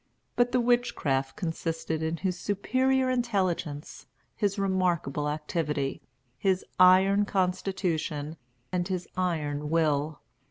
But the witchcraft consisted in his superior intelligence, his remarkable activity, his iron constitution, and his iron will.